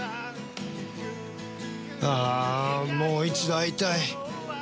ああもう一度会いたい！